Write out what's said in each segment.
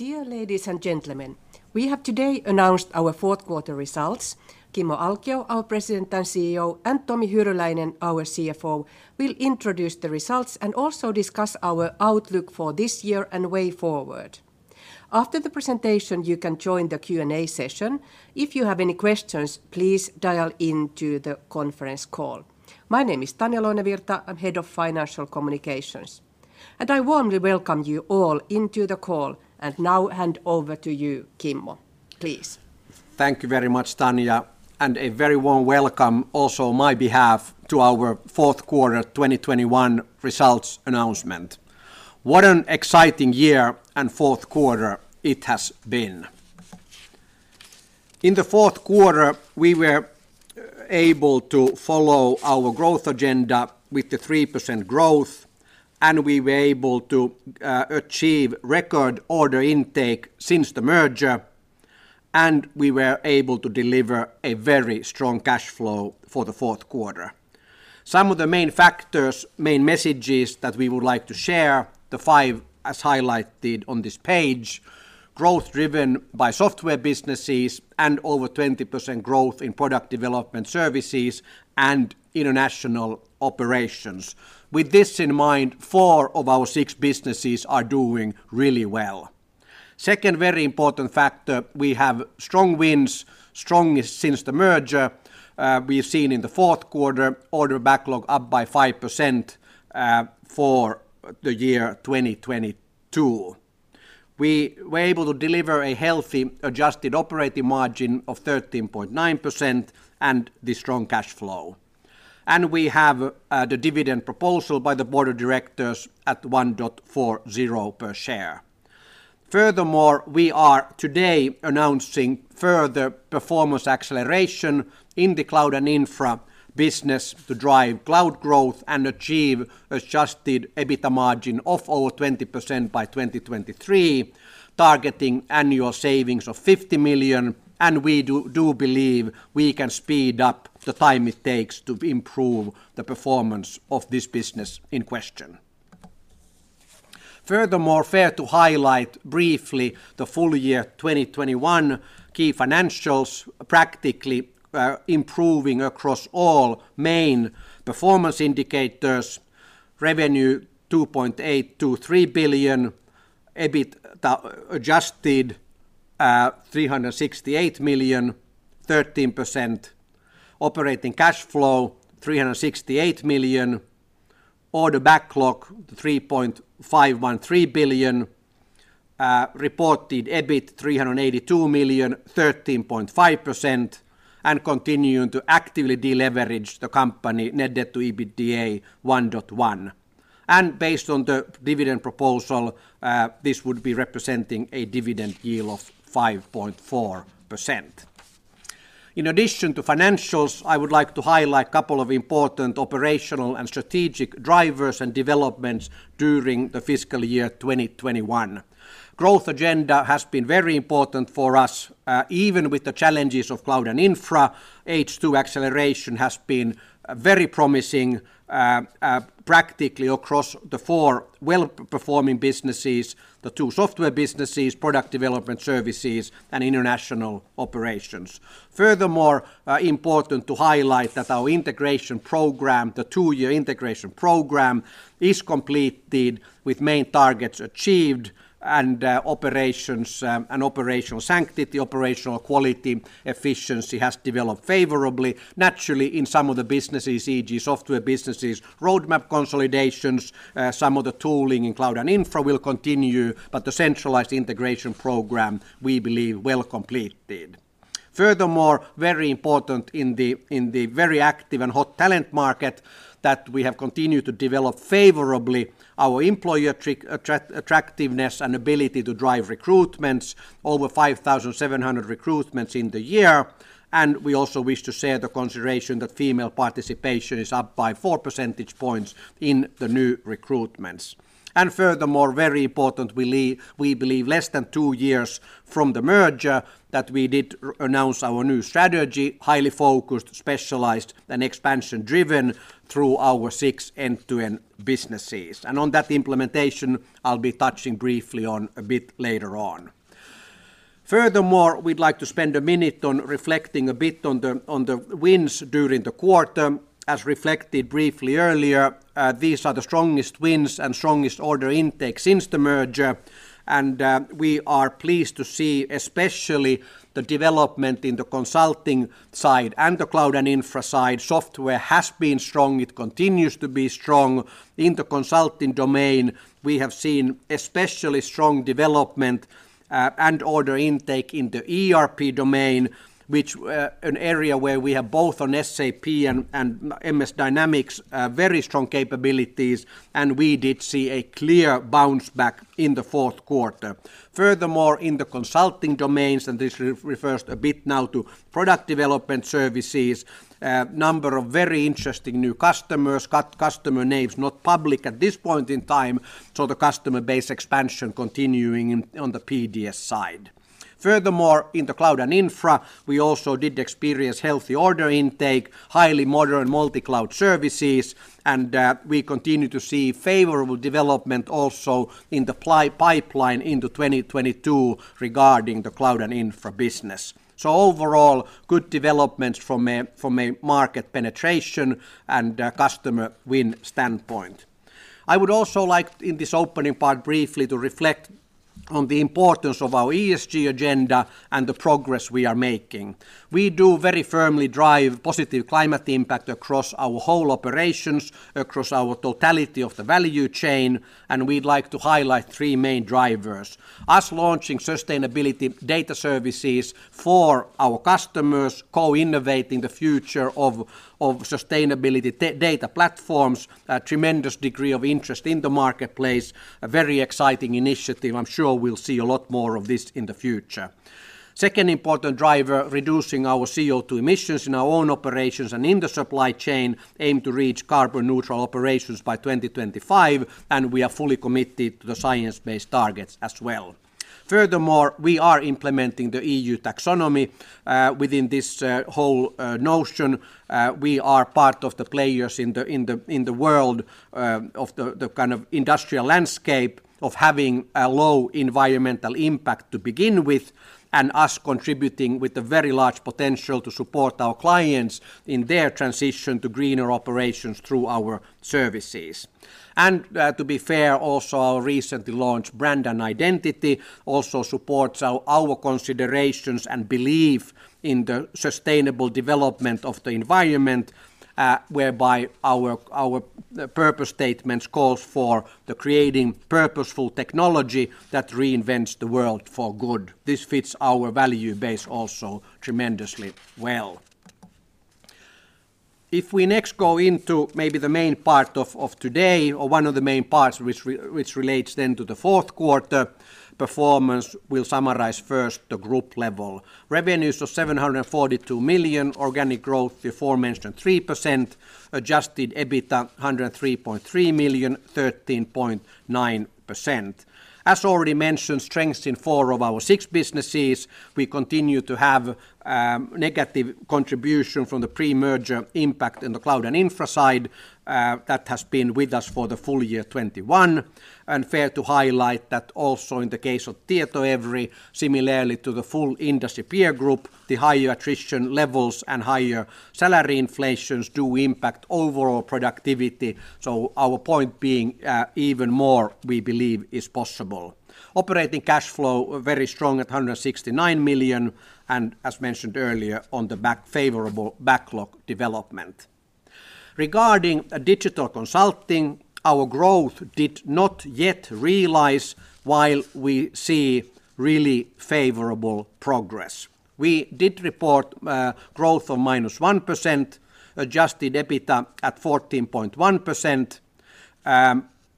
Dear ladies and gentlemen, we have today announced our fourth quarter results. Kimmo Alkio, our President and CEO, and Tomi Hyryläinen, our CFO, will introduce the results and also discuss our outlook for this year and way forward. After the presentation, you can join the Q&A session. If you have any questions, please dial into the conference call. My name is Tanja Lounevirta. I'm Head of Financial Communications, and I warmly welcome you all into the call. Now hand over to you, Kimmo, please. Thank you very much, Tanja, and a very warm welcome also on my behalf to our fourth quarter 2021 results announcement. What an exciting year and fourth quarter it has been. In the fourth quarter, we were able to follow our growth agenda with the 3% growth, and we were able to achieve record order intake since the merger, and we were able to deliver a very strong cash flow for the fourth quarter. Some of the main factors, main messages that we would like to share, the five as highlighted on this page, growth driven by software businesses and over 20% growth in product development services and international operations. With this in mind, four of our six businesses are doing really well. Second very important factor, we have strong wins, strongest since the merger, we've seen in the fourth quarter, order backlog up by 5%, for the year 2022. We were able to deliver a healthy adjusted operating margin of 13.9% and the strong cash flow. We have the dividend proposal by the board of directors at 1.40 per share. Furthermore, we are today announcing further performance acceleration in the Cloud & Infra business to drive cloud growth and achieve adjusted EBITDA margin of over 20% by 2023, targeting annual savings of EUR 50 million, and we do believe we can speed up the time it takes to improve the performance of this business in question. Furthermore, fair to highlight briefly the full year 2021 key financials practically improving across all main performance indicators. Revenue, 2.8 billion-3 billion. EBITDA adjusted, 368 million, 13%. Operating cash flow, 368 million. Order backlog, 3.513 billion. Reported EBIT, 382 million, 13.5%, and continuing to actively deleverage the company, net debt to EBITDA 1.1. Based on the dividend proposal, this would be representing a dividend yield of 5.4%. In addition to financials, I would like to highlight couple of important operational and strategic drivers and developments during the fiscal year 2021. Growth agenda has been very important for us, even with the challenges of Cloud & Infra. H2 acceleration has been very promising, practically across the four well-performing businesses, the two software businesses, product development services, and international operations. Furthermore, important to highlight that our integration program, the two-year integration program, is completed with main targets achieved and operations and operational sanctity, operational quality, efficiency has developed favorably. Naturally, in some of the businesses, e.g. software businesses, roadmap consolidations, some of the tooling in Cloud & Infra will continue, but the centralized integration program, we believe, well completed. Furthermore, very important in the very active and hot talent market that we have continued to develop favorably our employer attractiveness and ability to drive recruitments. Over 5,700 recruitments in the year, and we also wish to share the consideration that female participation Furthermore, in the Cloud & Infra, we also did experience healthy order intake, highly modern multi-cloud services, and, we continue to see favorable development also in the pipeline into 2022 regarding the Cloud & Infra business. Overall, good developments from a market penetration and a customer win standpoint. I would also like, in this opening part, briefly to reflect on the importance of our ESG agenda and the progress we are making. We do very firmly drive positive climate impact across our whole operations, across our totality of the value chain, and we'd like to highlight three main drivers. Us launching sustainability data services for our customers, co-innovating the future of sustainability data platforms, a tremendous degree of interest in the marketplace, a very exciting initiative. I'm sure we'll see a lot more of this in the future. Second important driver, reducing our CO2 emissions in our own operations and in the supply chain, aim to reach carbon neutral operations by 2025, and we are fully committed to the science-based targets as well. Furthermore, we are implementing the EU taxonomy within this whole notion. We are part of the players in the world of the kind of industrial landscape of having a low environmental impact to begin with and us contributing with a very large potential to support our clients in their transition to greener operations through our services. To be fair, also our recently launched brand and identity also supports our purpose statements calls for the creating purposeful technology that reinvents the world for good. This fits our value base also tremendously well. If we next go into maybe the main part of today, or one of the main parts which relates then to the fourth quarter performance, we'll summarize first the group level. Revenues of 742 million, organic growth before mentioned 3%, adjusted EBITDA 103.3 million, 13.9%. As already mentioned, strengths in four of our six businesses, we continue to have negative contribution from the pre-merger impact in the Cloud & Infra side, that has been with us for the full year 2021. Fair to highlight that also in the case of Tietoevry, similarly to the full industry peer group, the higher attrition levels and higher salary inflations do impact overall productivity. Our point being, even more we believe is possible. Operating cash flow very strong at 169 million and, as mentioned earlier, on the back of favorable backlog development. Regarding Digital Consulting, our growth did not yet realize while we see really favorable progress. We did report growth of -1%, adjusted EBITDA at 14.1%,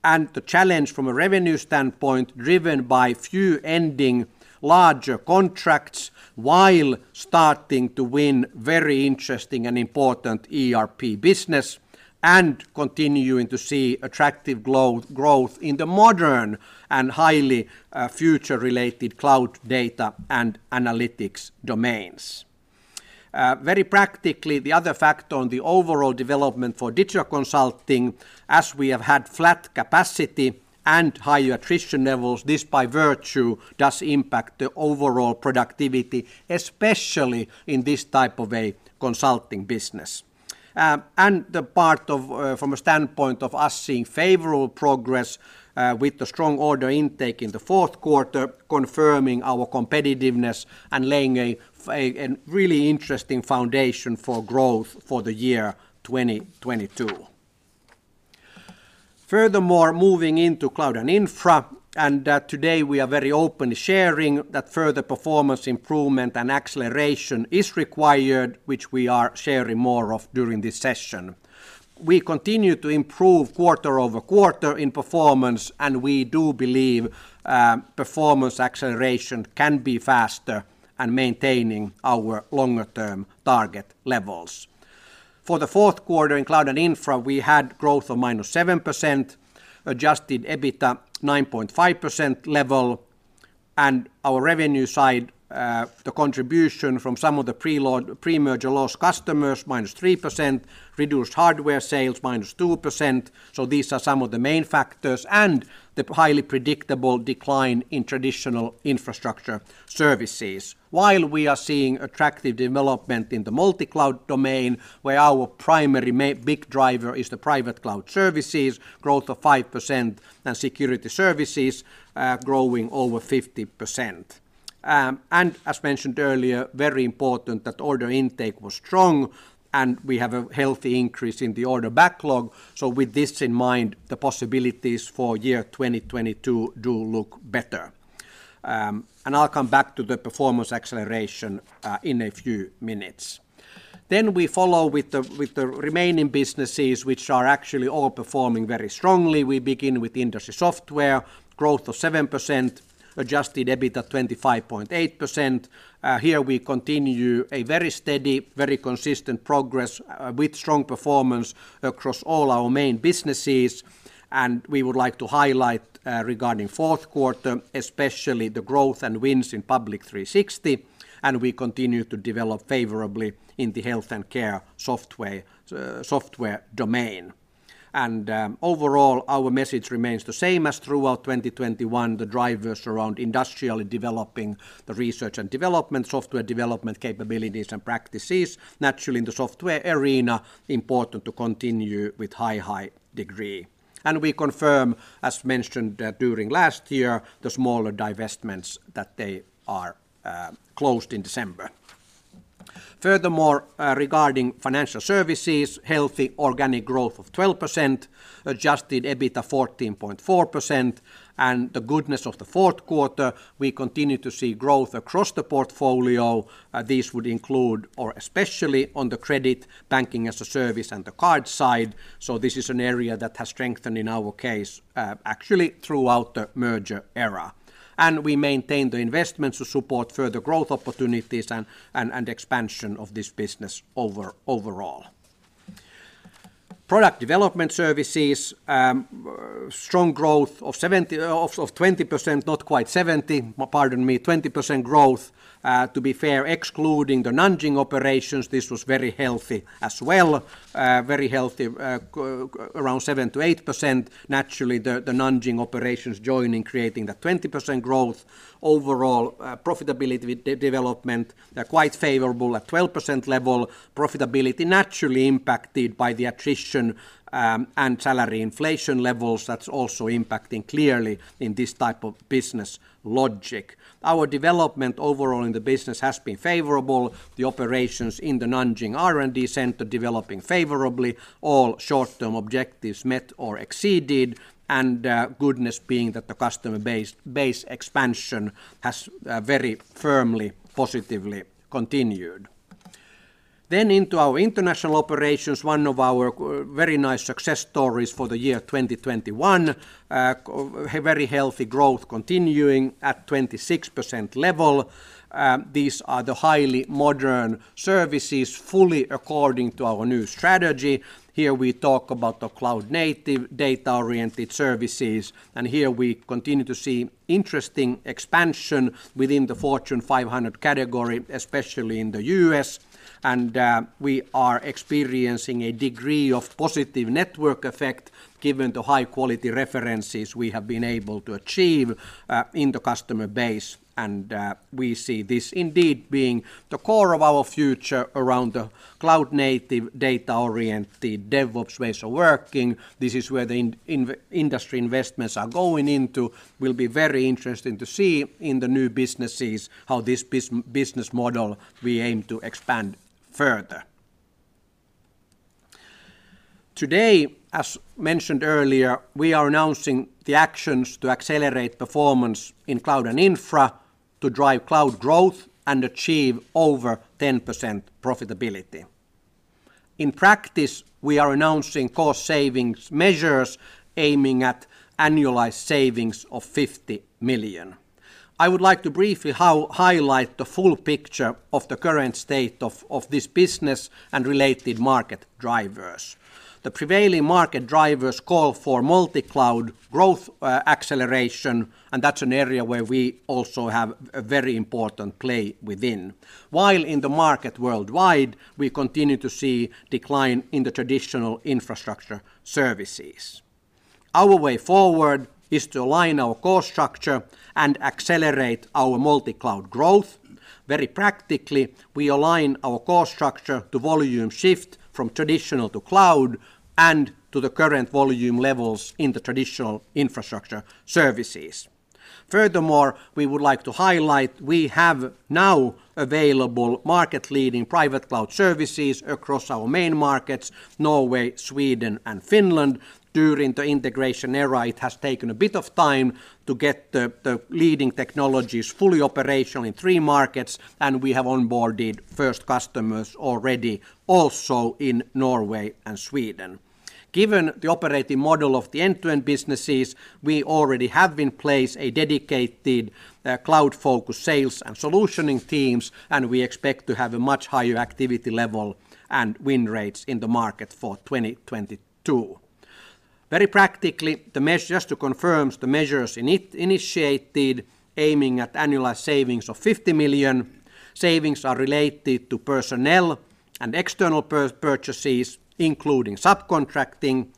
and the challenge from a revenue standpoint driven by few ending larger contracts while starting to win very interesting and important ERP business and continuing to see attractive growth in the modern and highly future-related cloud data and analytics domains. Very practically, the other factor on the overall development for Digital Consulting, as we have had flat capacity and higher attrition levels, this by virtue does impact the overall productivity, especially in this type of a consulting business. The part of from a standpoint of us seeing favorable progress with the strong order intake in the fourth quarter confirming our competitiveness and laying an really interesting foundation for growth for the year 2022. Furthermore, moving into Cloud & Infra, today we are very openly sharing that further performance improvement and acceleration is required, which we are sharing more of during this session. We continue to improve quarter-over-quarter in performance, and we do believe performance acceleration can be faster and maintaining our longer-term target levels. For the fourth quarter in Cloud & Infra, we had growth of -7%, adjusted EBITDA 9.5% level, and our revenue side, the contribution from some of the pre-merger loss customers -3%, reduced hardware sales -2%. These are some of the main factors, and the highly predictable decline in traditional infrastructure services. While we are seeing attractive development in the multi-cloud domain, where our primary big driver is the private cloud services, growth of 5%, and security services, growing over 50%. As mentioned earlier, very important that order intake was strong and we have a healthy increase in the order backlog. With this in mind, the possibilities for 2022 look better. I'll come back to the performance acceleration in a few minutes. We follow with the remaining businesses which are actually all performing very strongly. We begin with industry software, growth of 7%, adjusted EBITDA 25.8%. Here we continue a very steady, very consistent progress with strong performance across all our main businesses. We would like to highlight, regarding fourth quarter, especially the growth and wins in Public 360°, and we continue to develop favorably in the health and care software domain. Overall, our message remains the same as throughout 2021. The drivers around industrially developing the research and development, software development capabilities and practices, naturally in the software arena, important to continue with high degree. We confirm, as mentioned, during last year, the smaller divestments, that they are closed in December. Furthermore, regarding financial services, healthy organic growth of 12%, adjusted EBITDA 14.4%, and the goodness of the fourth quarter, we continue to see growth across the portfolio. This would include, or especially on the credit banking as a service and the card side, so this is an area that has strengthened in our case, actually throughout the merger era. We maintain the investments to support further growth opportunities and expansion of this business overall. Product development services, strong growth of 20%, not quite 70%. Pardon me, 20% growth. To be fair, excluding the Nanjing operations, this was very healthy as well. Very healthy, around 7%-8%. Naturally, the Nanjing operations joining, creating the 20% growth. Overall, profitability development, quite favorable at 12% level. Profitability naturally impacted by the attrition and salary inflation levels. That's also impacting clearly in this type of business logic. Our development overall in the business has been favorable. The operations in the Nanjing R&D center developing favorably. All short-term objectives met or exceeded, and good news being that the customer base expansion has very firmly, positively continued. Into our international operations, one of our very nice success stories for the year 2021. Very healthy growth continuing at 26% level. These are the highly modern services, fully according to our new strategy. Here, we talk about the cloud-native, data-oriented services, and here we continue to see interesting expansion within the Fortune 500 category, especially in the U.S., and we are experiencing a degree of positive network effect given the high-quality references we have been able to achieve in the customer base. We see this indeed being the core of our future around the cloud-native, data-oriented DevOps ways of working. This is where the industry investments are going into. Will be very interesting to see in the new businesses how this business model we aim to expand further. Today, as mentioned earlier, we are announcing the actions to accelerate performance in Cloud & Infra to drive cloud growth and achieve over 10% profitability. In practice, we are announcing cost savings measures aiming at annualized savings of 50 million. I would like to briefly highlight the full picture of the current state of this business and related market drivers. The prevailing market drivers call for multi-cloud growth acceleration, and that's an area where we also have a very important play within. While in the market worldwide, we continue to see decline in the traditional infrastructure services, our way forward is to align our cost structure and accelerate our multi-cloud growth. Very practically, we align our cost structure to volume shift from traditional to cloud and to the current volume levels in the traditional infrastructure services. Furthermore, we would like to highlight we have now available market-leading private cloud services across our main markets, Norway, Sweden, and Finland. During the integration era, it has taken a bit of time to get the leading technologies fully operational in three markets, and we have onboarded first customers already also in Norway and Sweden. Given the operating model of the end-to-end businesses, we already have in place a dedicated cloud-focused sales and solutioning teams, and we expect to have a much higher activity level and win rates in the market for 2022. Very practically, just to confirm the measures initiated aiming at annualized savings of 50 million. Savings are related to personnel and external purchases, including subcontracting.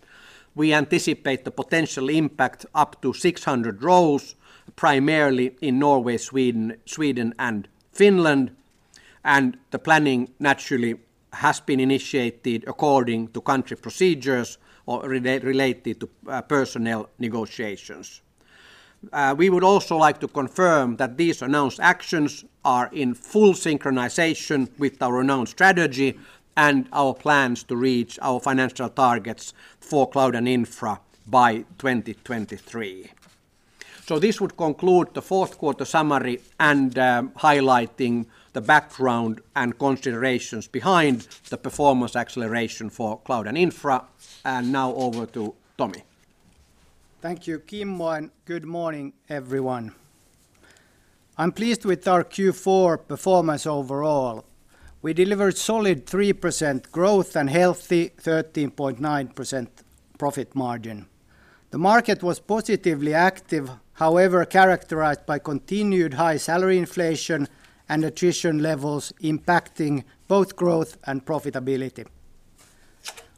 We anticipate the potential impact up to 600 roles, primarily in Norway, Sweden, and Finland, and the planning naturally has been initiated according to country procedures or related to personnel negotiations. We would also like to confirm that these announced actions are in full synchronization with our announced strategy and our plans to reach our financial targets for Cloud & Infra by 2023. This would conclude the fourth quarter summary, highlighting the background and considerations behind the performance acceleration for Cloud & Infra. Now over to Tomi. Thank you, Kimmo, and good morning, everyone. I'm pleased with our Q4 performance overall. We delivered solid 3% growth and healthy 13.9% profit margin. The market was positively active, however, characterized by continued high salary inflation and attrition levels impacting both growth and profitability.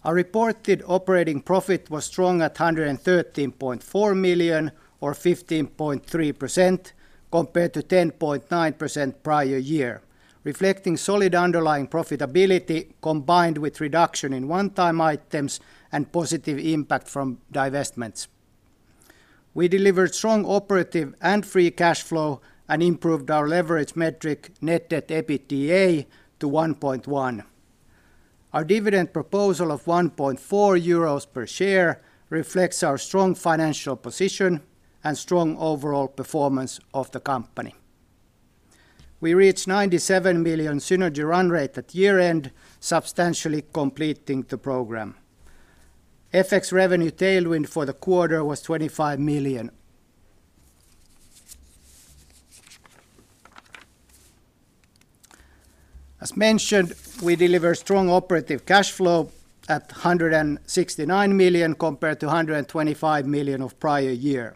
Our reported operating profit was strong at 113.4 million or 15.3% compared to 10.9% prior year, reflecting solid underlying profitability combined with reduction in one-time items and positive impact from divestments. We delivered strong operating and free cash flow and improved our leverage metric net debt to EBITDA to 1.1. Our dividend proposal of 1.4 euros per share reflects our strong financial position and strong overall performance of the company. We reached 97 million synergy run rate at year-end, substantially completing the program. FX revenue tailwind for the quarter was 25 million. As mentioned, we delivered strong operative cash flow at 169 million compared to 125 million of prior year.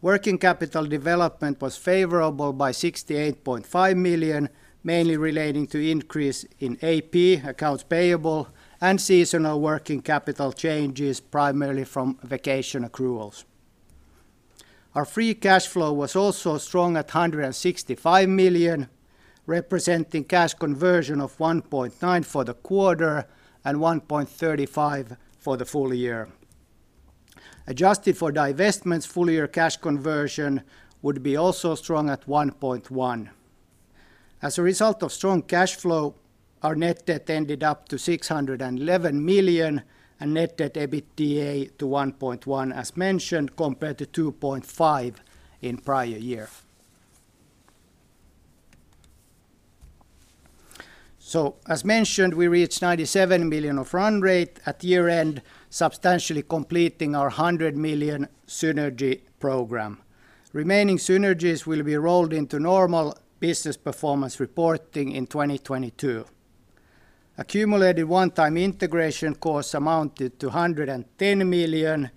Working capital development was favorable by 68.5 million, mainly relating to increase in AP, accounts payable, and seasonal working capital changes primarily from vacation accruals. Our free cash flow was also strong at 165 million, representing cash conversion of 1.9 for the quarter and 1.35 for the full year. Adjusted for divestments, full-year cash conversion would be also strong at 1.1. As a result of strong cash flow, our net debt ended up at 611 million and net debt EBITDA at 1.1, as mentioned, compared to 2.5 in prior year. As mentioned, we reached 97 million of run rate at year-end, substantially completing our 100 million synergy program. Remaining synergies will be rolled into normal business performance reporting in 2022. Accumulated one-time integration costs amounted to 110 million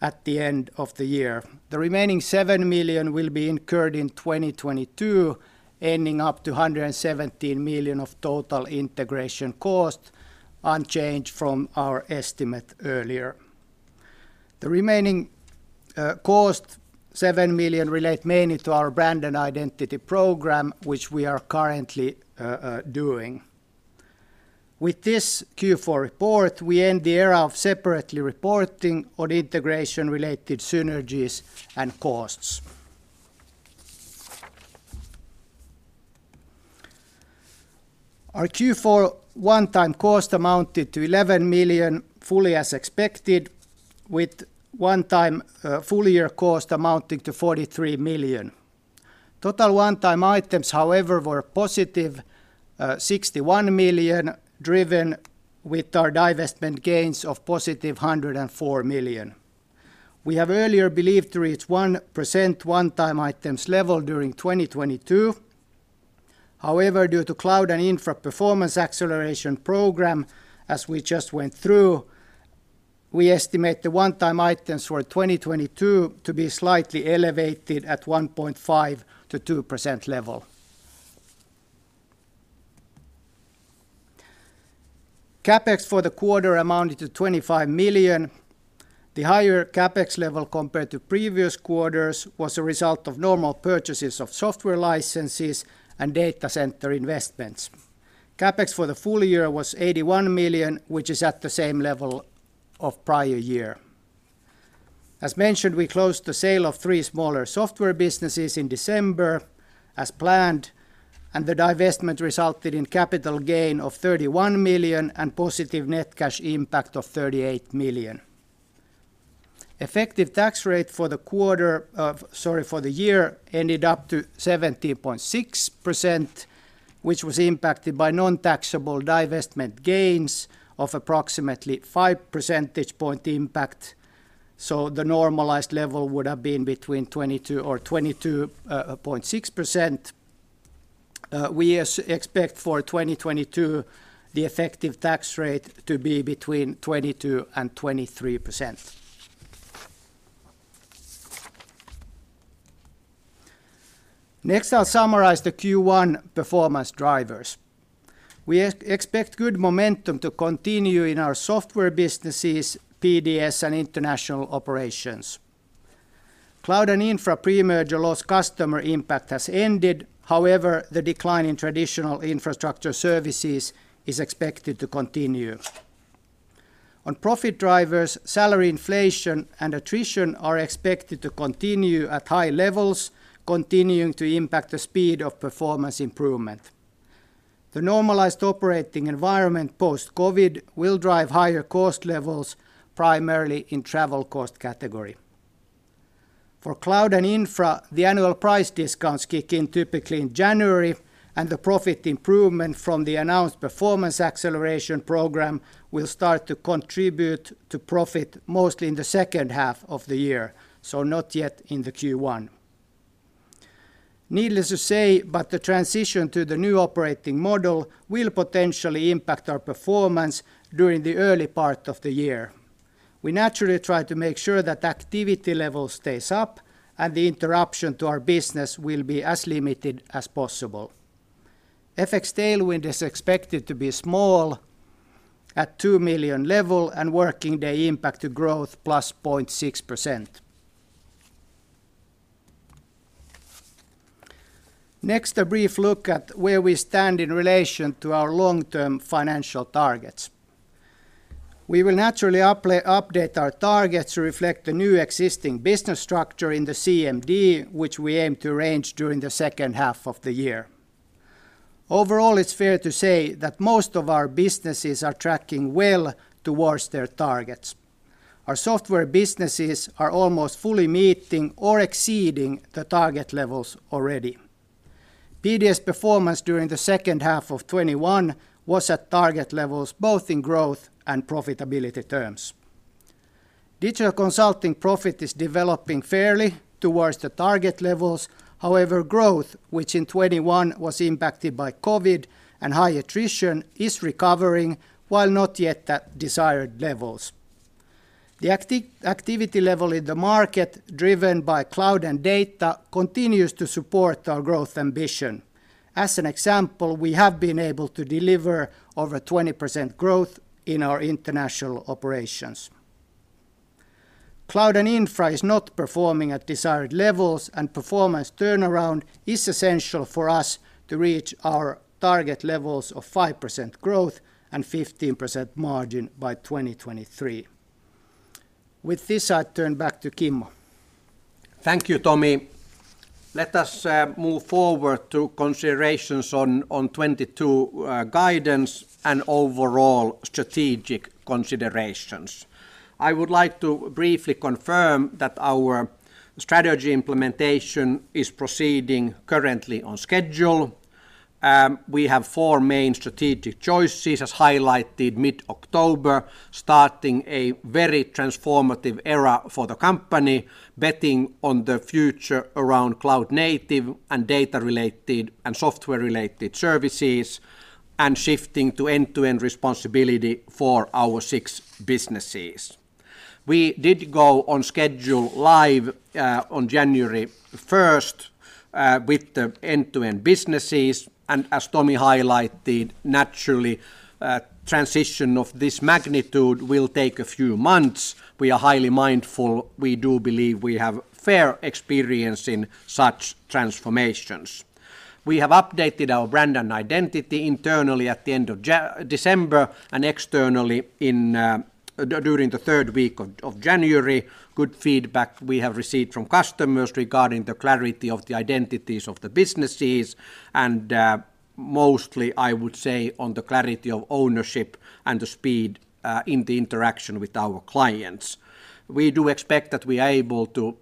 at the end of the year. The remaining 7 million will be incurred in 2022, ending up to 117 million of total integration cost, unchanged from our estimate earlier. The remaining cost, 7 million, relate mainly to our brand and identity program, which we are currently doing. With this Q4 report, we end the era of separately reporting on integration-related synergies and costs. Our Q4 one-time cost amounted to 11 million, fully as expected, with one-time full-year cost amounting to 43 million. Total one-time items, however, were positive 61 million, driven with our divestment gains of positive 104 million. We have earlier believed to reach 1% one-time items level during 2022. However, due to Cloud & Infra performance acceleration program, as we just went through, we estimate the one-time items for 2022 to be slightly elevated at 1.5%-2% level. CapEx for the quarter amounted to 25 million. The higher CapEx level compared to previous quarters was a result of normal purchases of software licenses and data center investments. CapEx for the full year was 81 million, which is at the same level of prior year. As mentioned, we closed the sale of three smaller software businesses in December as planned, and the divestment resulted in capital gain of 31 million and positive net cash impact of 38 million. Effective tax rate for the quarter of... For the year ended up to 17.6%, which was impacted by non-taxable divestment gains of approximately 5 percentage point impact, so the normalized level would have been between 22% or 22.6%. We expect for 2022 the effective tax rate to be between 22% and 23%. Next, I'll summarize the Q1 performance drivers. We expect good momentum to continue in our software businesses, PDS, and international operations. Cloud & Infra pre-merger loss customer impact has ended. However, the decline in traditional infrastructure services is expected to continue. On profit drivers, salary inflation and attrition are expected to continue at high levels, continuing to impact the speed of performance improvement. The normalized operating environment post-COVID will drive higher cost levels, primarily in travel cost category. For Cloud & Infra, the annual price discounts kick in typically in January, and the profit improvement from the announced performance acceleration program will start to contribute to profit mostly in the second half of the year, so not yet in the Q1. Needless to say, but the transition to the new operating model will potentially impact our performance during the early part of the year. We naturally try to make sure that activity level stays up and the interruption to our business will be as limited as possible. FX tailwind is expected to be small at 2 million level, and working day impact to growth +0.6%. Next, a brief look at where we stand in relation to our long-term financial targets. We will naturally update our targets to reflect the new existing business structure in the CMD, which we aim to range during the second half of the year. Overall, it's fair to say that most of our businesses are tracking well towards their targets. Our software businesses are almost fully meeting or exceeding the target levels already. PDS performance during the second half of 2021 was at target levels both in growth and profitability terms. Digital Consulting profit is developing fairly towards the target levels, however growth, which in 2021 was impacted by COVID and high attrition, is recovering, while not yet at desired levels. The activity level in the market, driven by cloud and data, continues to support our growth ambition. As an example, we have been able to deliver over 20% growth in our international operations. Cloud & Infra is not performing at desired levels, and performance turnaround is essential for us to reach our target levels of 5% growth and 15% margin by 2023. With this, I turn back to Kimmo. Thank you, Tomi. Let us move forward to considerations on 2022 guidance and overall strategic considerations. I would like to briefly confirm that our strategy implementation is proceeding currently on schedule. We have four main strategic choices, as highlighted mid-October, starting a very transformative era for the company, betting on the future around cloud native and data-related and software-related services, and shifting to end-to-end responsibility for our six businesses. We did go on schedule live on January 1st with the end-to-end businesses, and as Tomi highlighted, naturally, a transition of this magnitude will take a few months. We are highly mindful. We do believe we have fair experience in such transformations. We have updated our brand and identity internally at the end of December and externally during the third week of January. Good feedback we have received from customers regarding the clarity of the identities of the businesses and, mostly, I would say, on the clarity of ownership and the speed in the interaction with our clients. We do expect that we are able to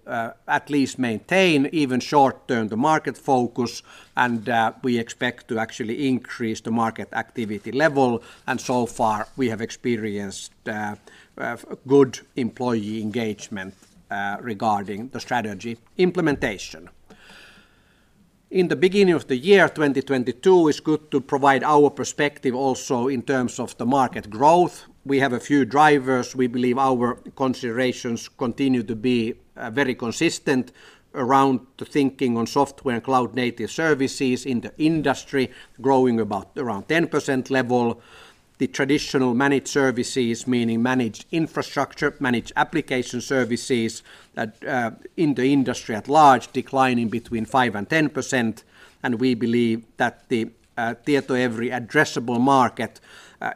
at least maintain, even short-term, the market focus, and we expect to actually increase the market activity level. So far, we have experienced good employee engagement regarding the strategy implementation. In the beginning of the year 2022, it's good to provide our perspective also in terms of the market growth. We have a few drivers. We believe our considerations continue to be very consistent around the thinking on software and cloud-native services in the industry, growing around 10% level. The traditional managed services, meaning managed infrastructure, managed application services, that in the industry at large declining 5% and 10%, and we believe that the Tietoevry addressable market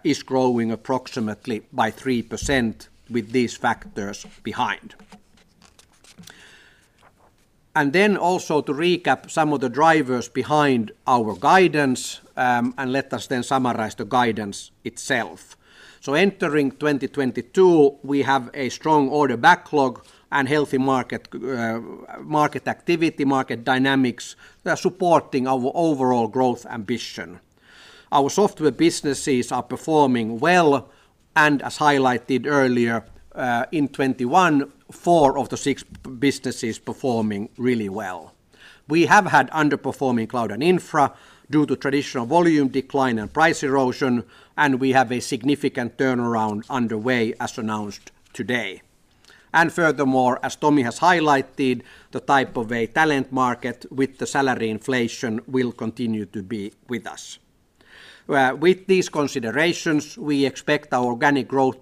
is growing approximately by 3% with these factors behind. To recap some of the drivers behind our guidance, and let us then summarize the guidance itself. Entering 2022, we have a strong order backlog and healthy market activity, market dynamics that are supporting our overall growth ambition. Our software businesses are performing well, and as highlighted earlier in 2021, four of the six businesses performing really well. We have had underperforming Cloud & Infra due to traditional volume decline and price erosion, and we have a significant turnaround underway as announced today. Furthermore, as Tomi has highlighted, the type of a talent market with the salary inflation will continue to be with us. With these considerations, we expect our organic growth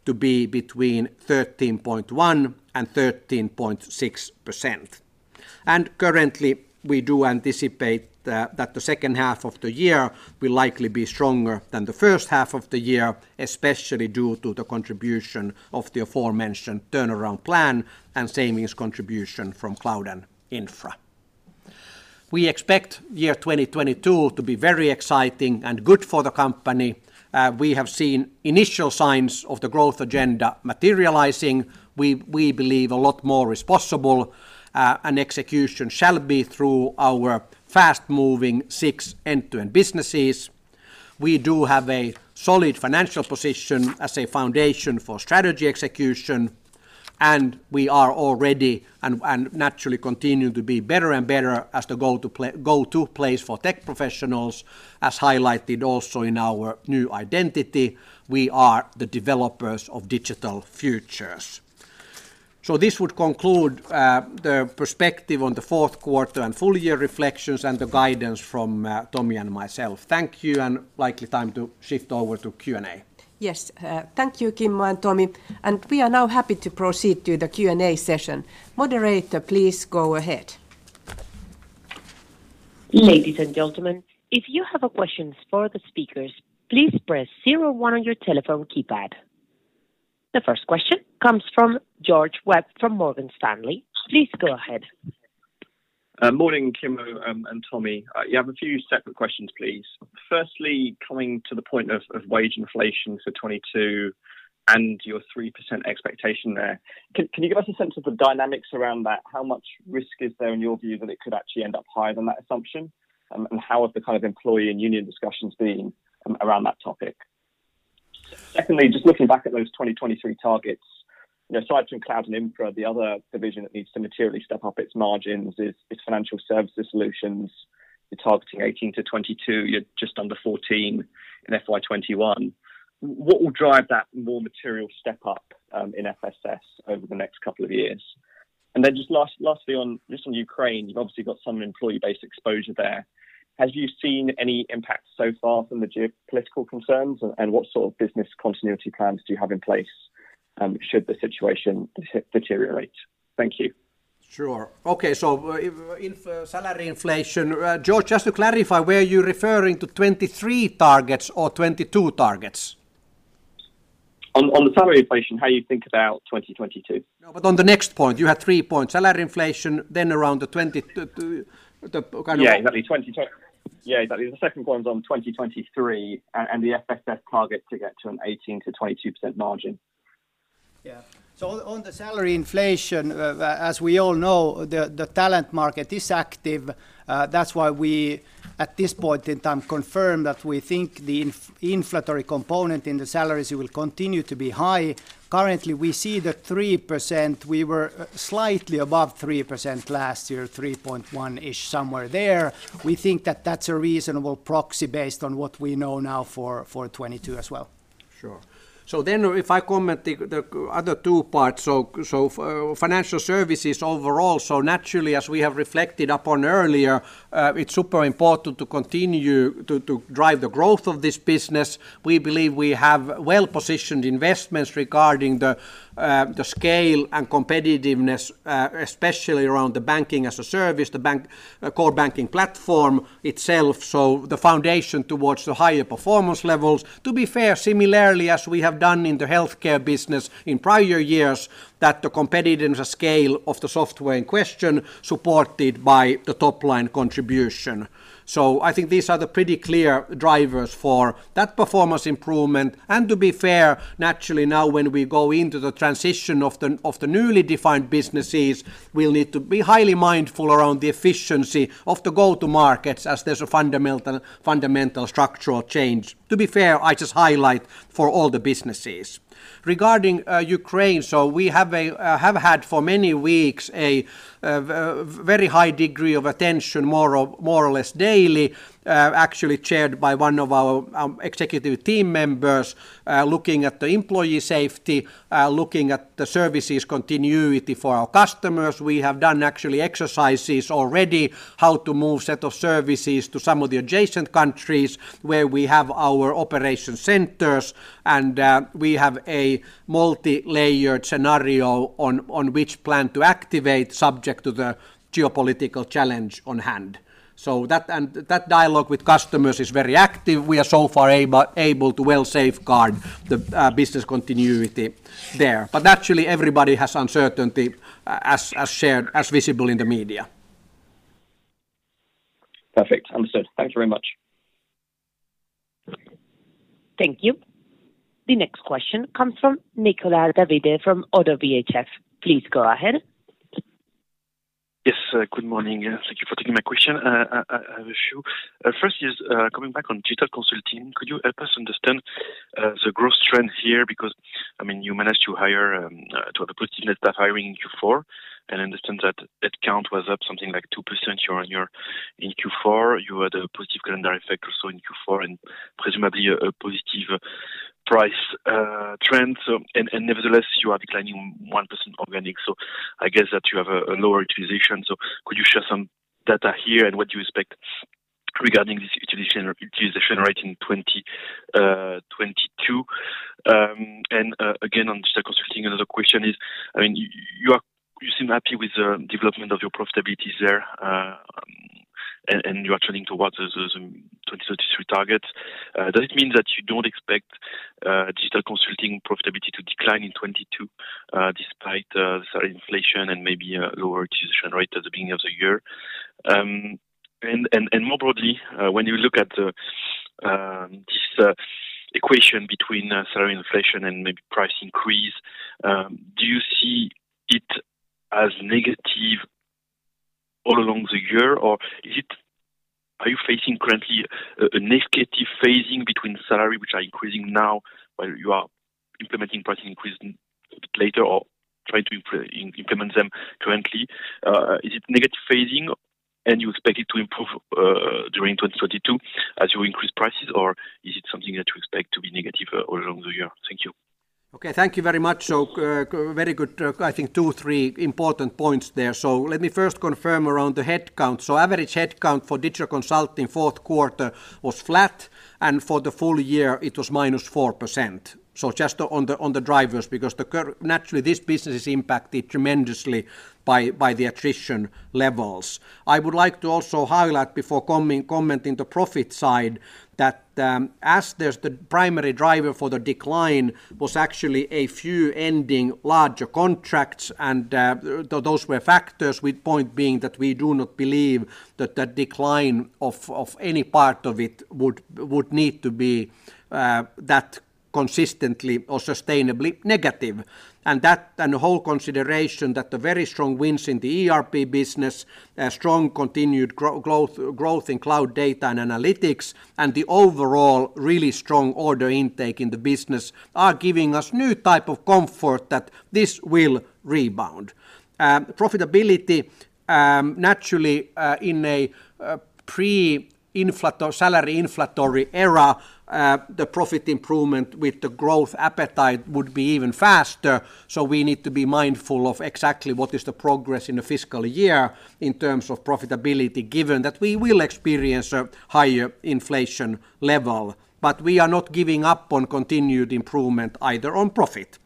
to be between 2% and 4%, and the estimate of the full year adjusted operating margin to be between 13.1% and 13.6%. Currently, we do anticipate that the second half of the year will likely be stronger than the first half of the year, especially due to the contribution of the aforementioned turnaround plan and savings contribution from Cloud & Infra. We expect year 2022 to be very exciting and good for the company. We have seen initial signs of the growth agenda materializing. We believe a lot more is possible, and execution shall be through our fast-moving six end-to-end businesses. We do have a solid financial position as a foundation for strategy execution, and we are already and naturally continue to be better and better as the go-to place for tech professionals, as highlighted also in our new identity. We are the developers of digital futures. This would conclude the perspective on the fourth quarter and full year reflections and the guidance from Tomi and myself. Thank you, and likely time to shift over to Q&A. Yes. Thank you, Kimmo and Tomi. We are now happy to proceed to the Q&A session. Moderator, please go ahead. Ladies and gentlemen, if you have a question for the speakers, please press zero one on your telephone keypad. The first question comes from George Webb from Morgan Stanley. Please go ahead. Morning, Kimmo, and Tomi. I have a few separate questions, please. Firstly, coming to the point of wage inflation for 2022 and your 3% expectation there, can you give us a sense of the dynamics around that? How much risk is there in your view that it could actually end up higher than that assumption? And how have the kind of employee and union discussions been around that topic? Secondly, just looking back at those 2023 targets, you know, aside from Cloud & Infra, the other division that needs to materially step up its margins is financial services solutions. You're targeting 18%-22%, you're just under 14% in FY 2021. What will drive that more material step up in FSS over the next couple of years? Then just lastly on, just on Ukraine, you've obviously got some employee-based exposure there. Have you seen any impact so far from the geopolitical concerns? And what sort of business continuity plans do you have in place should the situation deteriorate? Thank you. Sure. Okay. If salary inflation, George, just to clarify, were you referring to 2023 targets or 2022 targets? On the salary inflation, how you think about 2022. No, but on the next point. You had three points. Salary inflation, then around the 2023. The kind of- Yeah, exactly. Yeah, exactly. The second point was on 2023 and the FSS target to get to an 18%-22% margin. Yeah. On the salary inflation, as we all know, the talent market is active. That's why we, at this point in time, confirm that we think the inflationary component in the salaries will continue to be high. Currently, we see 3%. We were slightly above 3% last year, 3.1%-ish, somewhere there. We think that that's a reasonable proxy based on what we know now for 2022 as well. Sure. If I comment on the other two parts. Financial services overall, naturally as we have reflected upon earlier, it's super important to continue to drive the growth of this business. We believe we have well-positioned investments regarding the scale and competitiveness, especially around the banking as a service, core banking platform itself. The foundation towards the higher performance levels, to be fair, similarly as we have done in the healthcare business in prior years, that the competitive scale of the software in question supported by the top line contribution. I think these are the pretty clear drivers for that performance improvement. To be fair, naturally now when we go into the transition of the newly defined businesses, we'll need to be highly mindful around the efficiency of the go-to markets as there's a fundamental structural change. To be fair, I just highlight for all the businesses. Regarding Ukraine, so we have had for many weeks a very high degree of attention, more or less daily, actually chaired by one of our executive team members, looking at the employee safety, looking at the services continuity for our customers. We have done actually exercises already, how to move set of services to some of the adjacent countries where we have our operation centers and we have a multi-layered scenario on which plan to activate subject to the geopolitical challenge on hand. That and that dialogue with customers is very active. We are so far able to well safeguard the business continuity there. But naturally, everybody has uncertainty as shared, as visible in the media. Perfect. Understood. Thank you very much. Thank you. The next question comes from Nicolas David from ODDO BHF. Please go ahead. Yes. Good morning, and thank you for taking my question. I have a few. First is coming back on Digital Consulting, could you help us understand the growth trends here? Because, I mean, you managed to hire to have a positive net staff hiring in Q4, and I understand that count was up something like 2% year-on-year in Q4. You had a positive calendar effect or so in Q4, and presumably a positive price trend. Nevertheless, you are declining 1% organic, so I guess that you have a lower utilization. Could you share some data here and what you expect regarding this utilization rate in 2022? Again, on Digital Consulting, another question is, I mean, you seem happy with the development of your profitability there, and you are trending towards those 2023 targets. Does it mean that you don't expect Digital Consulting profitability to decline in 2022, despite salary inflation and maybe a lower attrition rate at the beginning of the year? More broadly, when you look at this equation between salary inflation and maybe price increase, do you see it as negative all along the year or are you facing currently a negative phasing between salary which are increasing now while you are implementing price increase later or trying to implement them currently? Is it negative phasing and you expect it to improve during 2022 as you increase prices or is it something that you expect to be negative all along the year? Thank you. Okay. Thank you very much. Very good, I think two, three important points there. Let me first confirm around the headcount. Average headcount for Digital Consulting fourth quarter was flat, and for the full year it was -4%. Just on the drivers because naturally this business is impacted tremendously by the attrition levels. I would like to also highlight before commenting the profit side that the primary driver for the decline was actually a few ending larger contracts and those were factors with the point being that we do not believe that the decline of any part of it would need to be that consistently or sustainably negative. The whole consideration that the very strong wins in the ERP business, a strong continued growth in cloud data and analytics, and the overall really strong order intake in the business are giving us new type of comfort that this will rebound. Profitability, naturally, in a salary inflationary era, the profit improvement with the growth appetite would be even faster. We need to be mindful of exactly what is the progress in the fiscal year in terms of profitability, given that we will experience a higher inflation level. We are not giving up on continued improvement either on profit.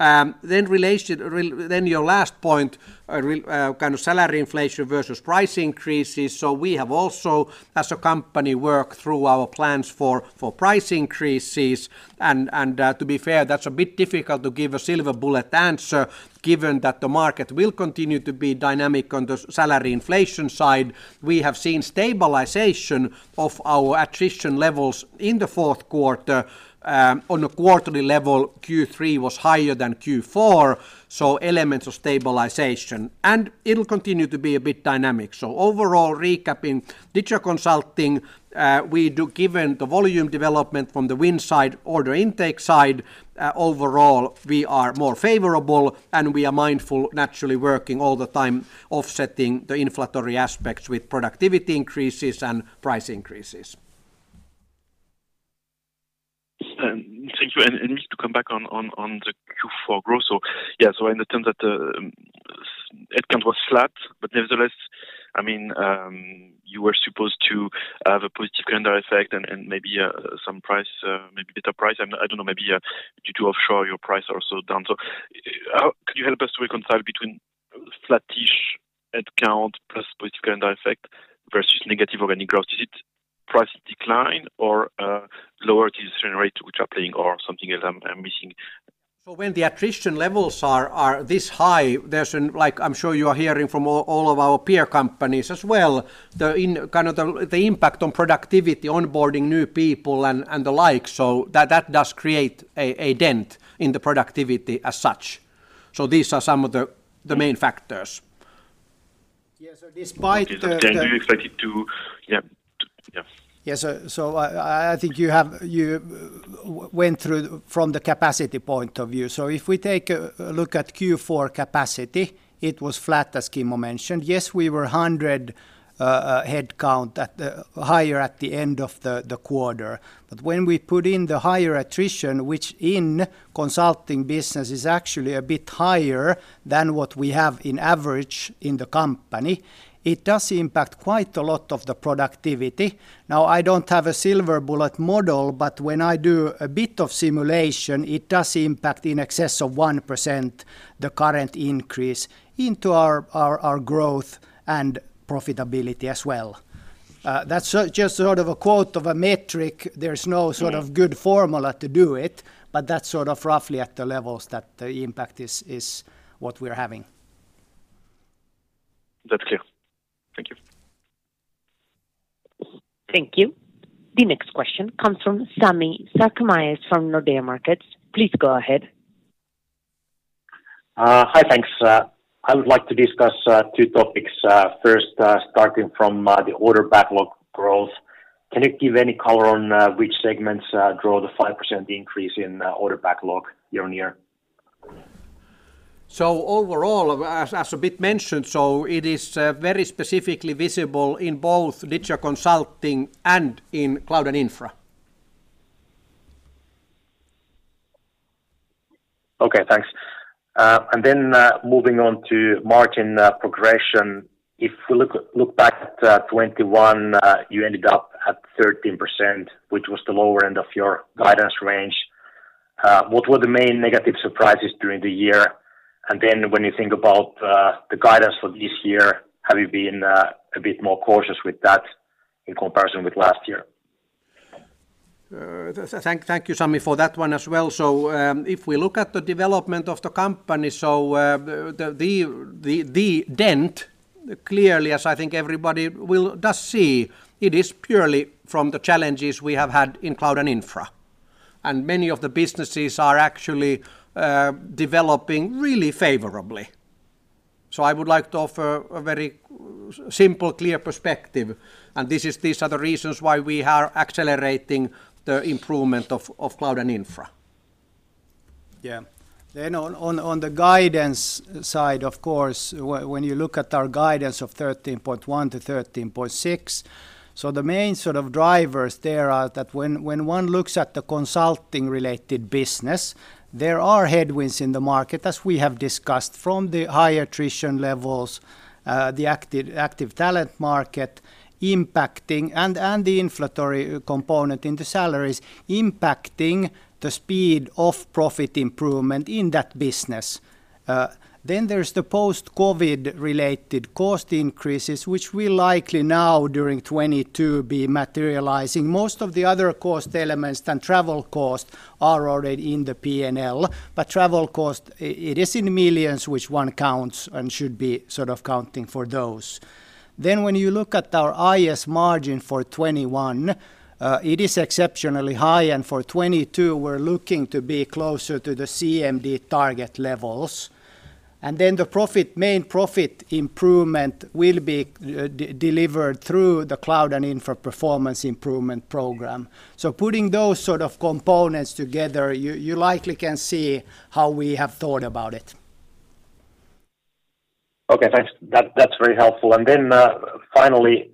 Then your last point, regarding kind of salary inflation versus price increases. We have also, as a company, worked through our plans for price increases and to be fair, that's a bit difficult to give a silver bullet answer given that the market will continue to be dynamic on the salary inflation side. We have seen stabilization of our attrition levels in the fourth quarter. On a quarterly level, Q3 was higher than Q4, so elements of stabilization. It'll continue to be a bit dynamic. Overall recapping, Digital Consulting, given the volume development from the win side, order intake side, overall, we are more favorable and we are mindful naturally working all the time offsetting the inflationary aspects with productivity increases and price increases. Thank you. Just to come back on the Q4 growth. Yeah, I understand that the head count was flat. Nevertheless, I mean, you were supposed to have a positive calendar effect and maybe some price, maybe better price. I don't know, maybe due to offshore your price are also down. Could you help us to reconcile between flat-ish head count plus positive calendar effect versus negative organic growth? Is it price decline or lower attrition rate which are playing or something else I'm missing? When the attrition levels are this high, there's—like I'm sure you are hearing from all of our peer companies as well—the kind of impact on productivity, onboarding new people and the like. That does create a dent in the productivity as such. These are some of the main factors. Yeah. Okay. Do you expect it to? Yeah. Yeah. I think you went through from the capacity point of view. If we take a look at Q4 capacity, it was flat as Kimmo mentioned. Yes, we were 100 head count higher at the end of the quarter. But when we put in the higher attrition, which in consulting business is actually a bit higher than what we have on average in the company, it does impact quite a lot of the productivity. Now, I don't have a silver bullet model, but when I do a bit of simulation, it does impact in excess of 1% the current increase into our growth and profitability as well. That's just sort of a rough metric. There's no sort of good formula to do it, but that's sort of roughly at the levels that the impact is what we're having. That's clear. Thank you. Thank you. The next question comes from Sami Sarkamies from Nordea Markets. Please go ahead. Hi. Thanks. I would like to discuss two topics. First, starting from the order backlog growth. Can you give any color on which segments grow the 5% increase in order backlog year-on-year? Overall, as was mentioned, it is very specifically visible in both Digital Consulting and in Cloud & Infra. Okay. Thanks. Moving on to margin progression. If we look back to 2021, you ended up at 13%, which was the lower end of your guidance range. What were the main negative surprises during the year? When you think about the guidance for this year, have you been a bit more cautious with that in comparison with last year? Thank you, Sami, for that one as well. If we look at the development of the company, the dent, clearly, as I think everybody does see, it is purely from the challenges we have had in Cloud & Infra. Many of the businesses are actually developing really favorably. I would like to offer a very simple, clear perspective, and these are the reasons why we are accelerating the improvement of Cloud & Infra. Yeah. On the guidance side, of course, when you look at our guidance of 13.1%-13.6%, so the main sort of drivers there are that when one looks at the consulting related business, there are headwinds in the market, as we have discussed, from the high attrition levels, the active talent market impacting and the inflationary component in the salaries impacting the speed of profit improvement in that business. Then there's the post-COVID related cost increases, which will likely now during 2022 be materializing. Most of the other cost elements than travel cost are already in the P&L. But travel cost, it is in millions, which one counts and should be sort of counting for those. When you look at our highest margin for 2021, it is exceptionally high, and for 2022 we're looking to be closer to the CMD target levels. The main profit improvement will be delivered through the Cloud & Infra performance improvement program. Putting those sort of components together, you likely can see how we have thought about it. Okay, thanks. That's very helpful. Finally,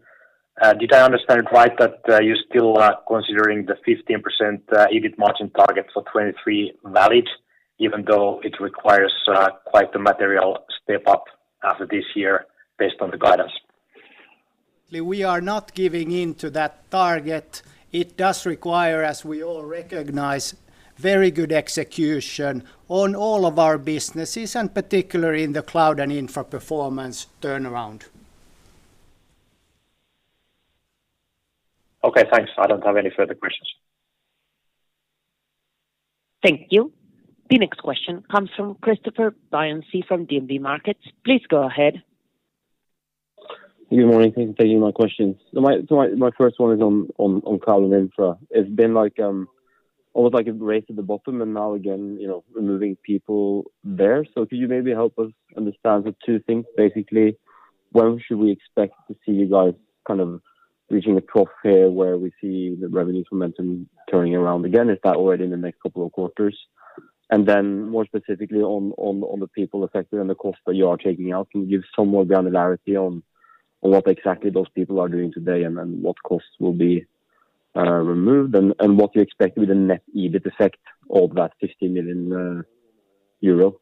did I understand it right that you're still considering the 15% EBIT margin target for 2023 valid even though it requires quite the material step up after this year based on the guidance? We are not giving in to that target. It does require, as we all recognize, very good execution on all of our businesses and particularly in the Cloud & Infra performance turnaround. Okay, thanks. I don't have any further questions. Thank you. The next question comes from Christoffer Bjørnsen from DNB Markets. Please go ahead. Good morning. Thank you for taking my questions. My first one is on Cloud & Infra. It's been like almost like a race to the bottom and now again, you know, removing people there. Could you maybe help us understand the two things? Basically, when should we expect to see you guys kind of reaching a trough here where we see the revenue momentum turning around again? Is that already in the next couple of quarters? And then more specifically on the people affected and the cost that you are taking out, can you give some more granularity on what exactly those people are doing today and then what costs will be removed and what you expect with the net EBIT effect of that 50 million euro?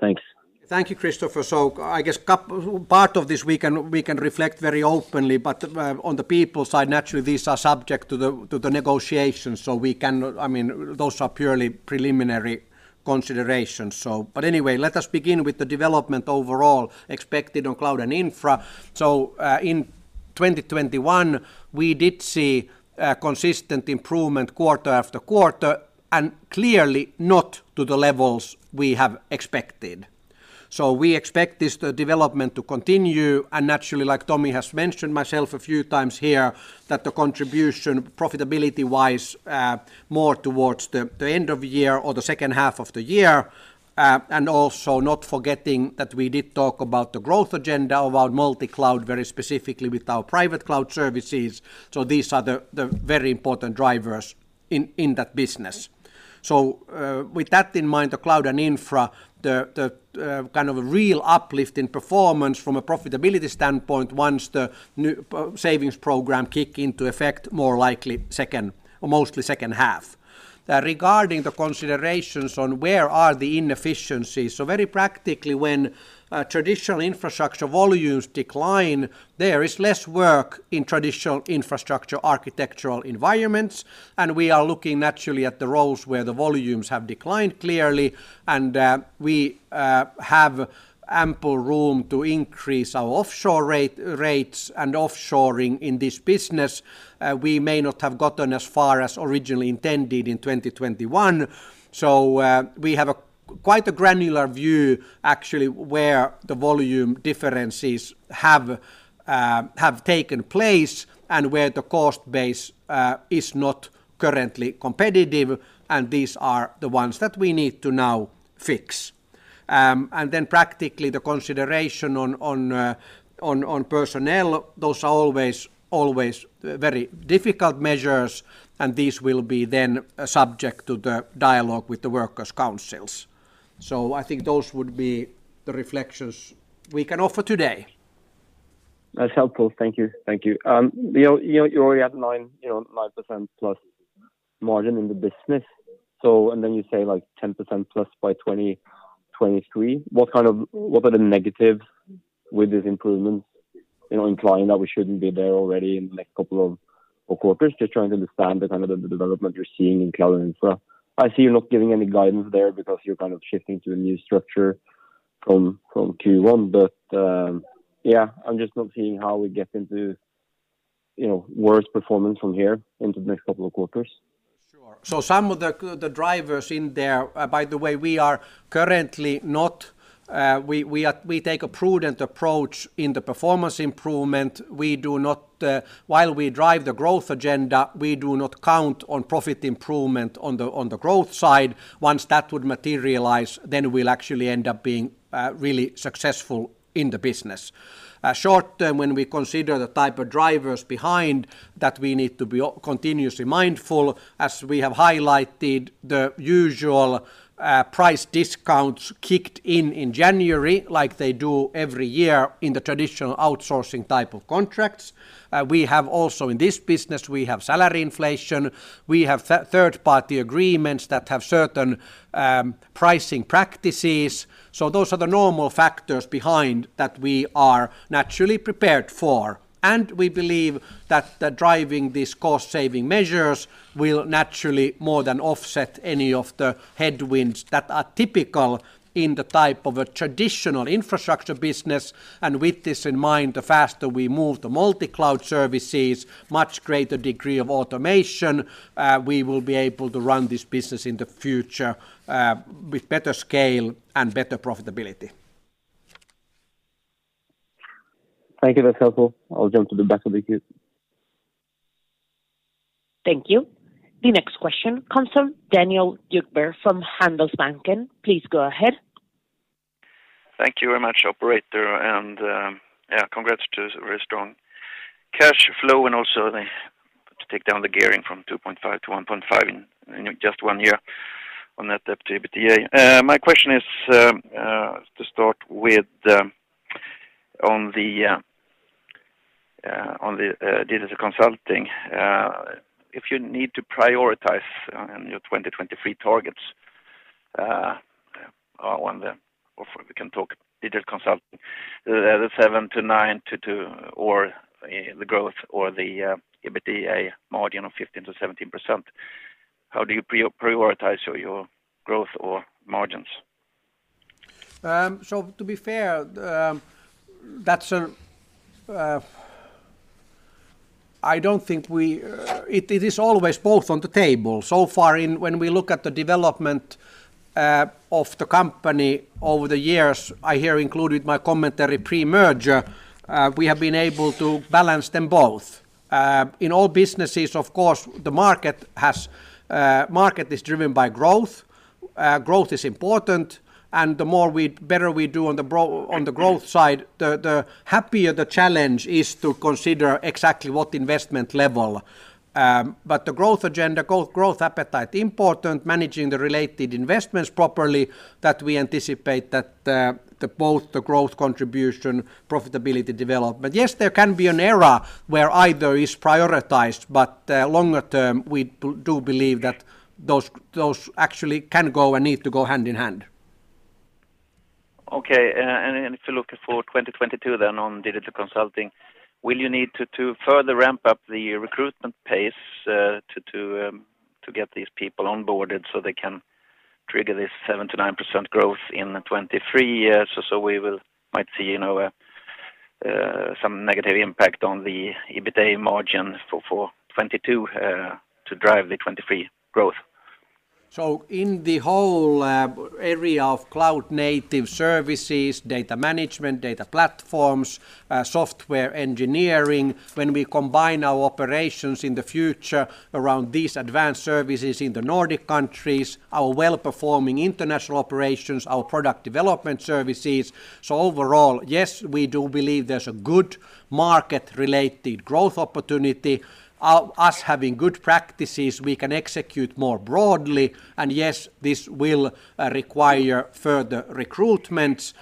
Thanks. Thank you, Christoffer. I guess a couple of parts of this we can reflect very openly, but on the people side, naturally, these are subject to the negotiations. We cannot. I mean, those are purely preliminary considerations. But anyway, let us begin with the development overall expected on Cloud & Infra. In 2021, we did see a consistent improvement quarter after quarter, and clearly not to the levels we have expected. We expect this development to continue, and naturally, like Tomi has mentioned a few times here, that the contribution profitability-wise more towards the end of the year or the second half of the year. And also not forgetting that we did talk about the growth agenda, about multi-cloud, very specifically with our private cloud services. These are the very important drivers in that business. With that in mind, the Cloud & Infra kind of a real uplift in performance from a profitability standpoint once the new savings program kick into effect more likely second or mostly second half. Regarding the considerations on where are the inefficiencies, very practically, when traditional infrastructure volumes decline, there is less work in traditional infrastructure architectural environments, and we are looking naturally at the roles where the volumes have declined clearly. We have ample room to increase our offshore rates and offshoring in this business. We may not have gotten as far as originally intended in 2021, so we have a quite granular view actually where the volume differences have taken place and where the cost base is not currently competitive, and these are the ones that we need to now fix. Practically the consideration on personnel, those are always very difficult measures, and these will be then subject to the dialogue with the workers' councils. I think those would be the reflections we can offer today. That's helpful. Thank you. You already have 9%, you know, 9%+ margin in the business. And then you say like 10%+ by 2023. What are the negative—With this improvement, you know, implying that we shouldn't be there already in the next couple of quarters. Just trying to understand the kind of development you're seeing in cloud and so on. I see you're not giving any guidance there because you're kind of shifting to a new structure from Q1. Yeah, I'm just not seeing how we get into, you know, worse performance from here into the next couple of quarters. Sure. Some of the drivers in there, by the way, we take a prudent approach in the performance improvement. We do not, while we drive the growth agenda, we do not count on profit improvement on the growth side. Once that would materialize, then we'll actually end up being really successful in the business. Short-term, when we consider the type of drivers behind that we need to be continuously mindful, as we have highlighted, the usual price discounts kicked in in January like they do every year in the traditional outsourcing type of contracts. We have also, in this business, we have salary inflation. We have third party agreements that have certain pricing practices. Those are the normal factors behind that we are naturally prepared for. We believe that these driving cost saving measures will naturally more than offset any of the headwinds that are typical in the type of a traditional infrastructure business. With this in mind, the faster we move to multi-cloud services with a much greater degree of automation, we will be able to run this business in the future with better scale and better profitability. Thank you. That's helpful. I'll jump to the back of the queue. Thank you. The next question comes from Daniel Djurberg from Handelsbanken. Please go ahead. Thank you very much, operator. Yeah, congrats to the very strong cash flow and also to take down the gearing from 2.5 to 1.5 in just one year on that debt to EBITDA. My question is, to start with, on the Digital Consulting, if you need to prioritize in your 2023 targets, or we can talk Digital Consulting, the 7%-9% to 2%, or the growth or the EBITDA margin of 15%-17%, how do you prioritize your growth or margins? To be fair, it is always both on the table. So far, when we look at the development of the company over the years, I have included my commentary pre-merger, we have been able to balance them both. In all businesses, of course, the market is driven by growth. Growth is important, and the better we do on the growth side, the happier the challenge is to consider exactly what investment level. The growth agenda, growth appetite important, managing the related investments properly that we anticipate that both the growth contribution profitability develop. Yes, there can be an era where either is prioritized, but longer term, we do believe that those actually can go and need to go hand in hand. Okay. If you're looking for 2022 then on Digital Consulting, will you need to further ramp up the recruitment pace to get these people onboarded so they can trigger this 7%-9% growth in 2023? We might see, you know, some negative impact on the EBITDA margin for 2022 to drive the 2023 growth. In the whole area of cloud native services, data management, data platforms, software engineering, when we combine our operations in the future around these advanced services in the Nordic countries, our well-performing international operations, our product development services. Overall, yes, we do believe there's a good market-related growth opportunity. Us having good practices, we can execute more broadly. Yes, this will require further recruitments.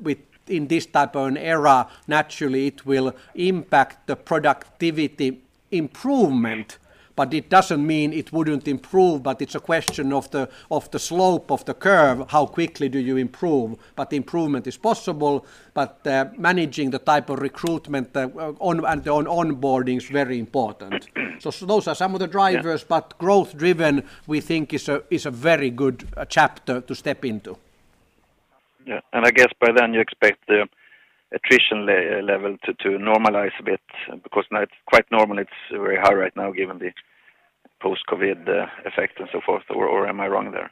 With in this type of an era, naturally it will impact the productivity improvement. It doesn't mean it wouldn't improve, but it's a question of the slope of the curve, how quickly do you improve. Improvement is possible, but managing the type of recruitment on and the onboarding is very important. Those are some of the drivers. Yeah. Growth driven, we think, is a very good chapter to step into. I guess by then you expect the attrition level to normalize a bit because now it's quite normal, it's very high right now given the post-COVID effect and so forth. Or am I wrong there?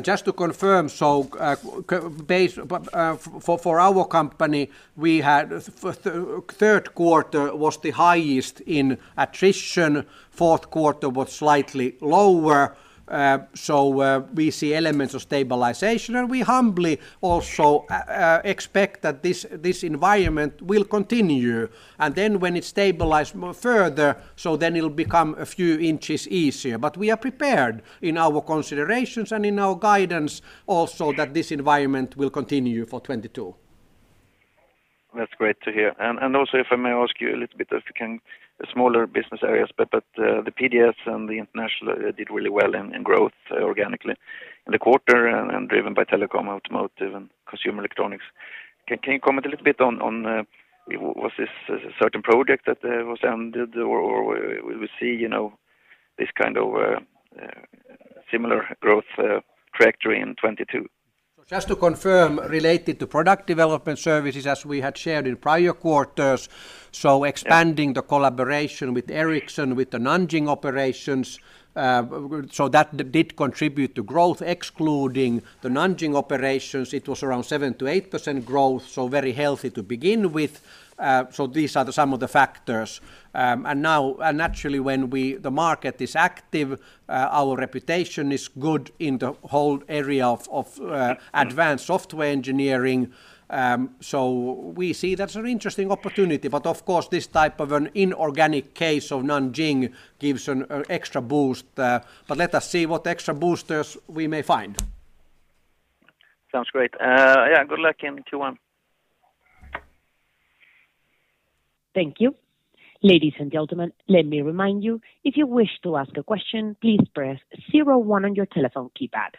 Just to confirm, the base for our company, the third quarter was the highest in attrition, fourth quarter was slightly lower. We see elements of stabilization, and we humbly also expect that this environment will continue. When it stabilize more further, it'll become a few inches easier. We are prepared in our considerations and in our guidance also that this environment will continue for 2022. That's great to hear. Also, if I may ask you a little bit, if you can- Smaller business areas, the PDS and the international did really well in organic growth in the quarter and driven by telecom, automotive, and consumer electronics. Can you comment a little bit on whether this was a certain project that was ended or will we see, you know, this kind of similar growth trajectory in 2022? Just to confirm related to product development services as we had shared in prior quarters, so expanding. Yeah... the collaboration with Ericsson, with the Nanjing operations, so that did contribute to growth. Excluding the Nanjing operations, it was around 7%-8% growth, so very healthy to begin with. These are some of the factors. Naturally, when the market is active, our reputation is good in the whole area of advanced software engineering. We see that's an interesting opportunity. Of course, this type of an inorganic case of Nanjing gives an extra boost. Let us see what extra boosters we may find. Sounds great. Yeah, good luck in Q1. Thank you. Ladies and gentlemen, let me remind you, if you wish to ask a question, please press zero-one on your telephone keypad.